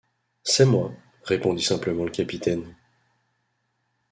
C’est moi, » répondit simplement le capitaine.